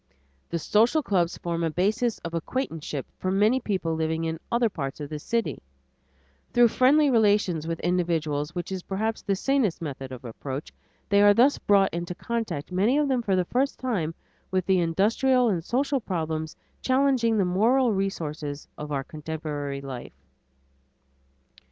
The social clubs form a basis of acquaintanceship for many people living in other parts of the city. Through friendly relations with individuals, which is perhaps the sanest method of approach, they are thus brought into contact, many of them for the first time, with the industrial and social problems challenging the moral resources of our contemporary life.